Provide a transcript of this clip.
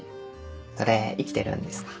それ生きてるんですか？